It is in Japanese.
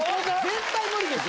絶対無理です。